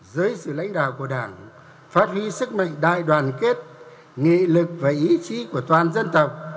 dưới sự lãnh đạo của đảng phát huy sức mạnh đại đoàn kết nghị lực và ý chí của toàn dân tộc